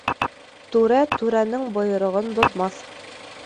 Түрә түрәнең бойороғон боҙмаҫ.